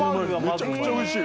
めちゃくちゃおいしい。